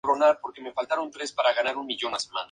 Fue electa como diputada provincial por el peronismo.